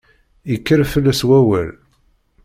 Yekker fell-as wawal.